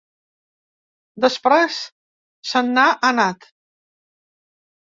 Després se n’ha anat.